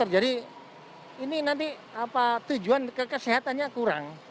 jadi ini nanti tujuan kesehatannya kurang